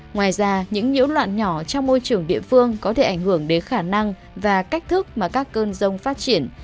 ngoài ra những nhiễu loạn nhỏ trong môi trường địa phương có thể ảnh hưởng đến khả năng và cách thức mà các cơn rông phát triển